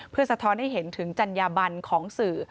เพื่อสะท้อนให้เห็นถึงจัญญาบันของสื่อ